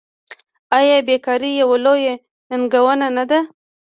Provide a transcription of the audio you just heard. آیا بیکاري یوه لویه ننګونه نه ده؟